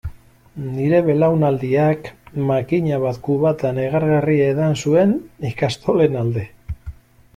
Nire belaunaldiak makina bat kubata negargarri edan zuen ikastolen alde.